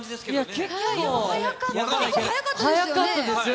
結構速かったですよ。